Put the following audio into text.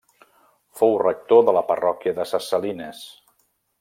Fou rector de la parròquia de Ses Salines.